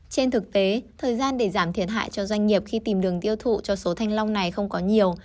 trên thực tế thời gian để giảm thiệt hại cho doanh nghiệp khi tìm đường tiêu thụ cho số thanh long này không có nhiều